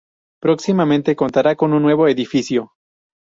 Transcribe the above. Próximamente contara con un nuevo edificio.